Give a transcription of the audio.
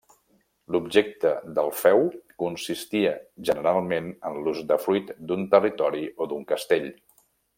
L'objecte del feu consistia generalment en l'usdefruit d'un territori o d'un castell.